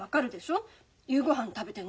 夕ごはん食べてんの。